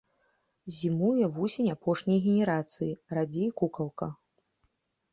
Зімуе вусень апошняй генерацыі, радзей кукалка.